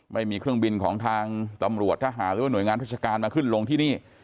ไม่มีเครื่องบินของทางตำรวจทหารหรือว่าหน่วยงานราชการมาขึ้นลงที่นี่